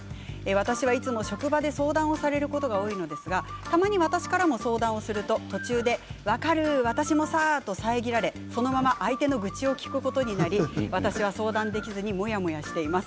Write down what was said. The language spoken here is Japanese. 私はいつも職場で相談をされることが多いのですがたまに私からも相談をすると途中で分かる私もさあと遮られそのまま相手の口を切ることになり私は相談できずにモヤモヤしています。